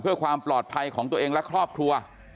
เพื่อความปลอดภัยของตัวเองและครอบครัว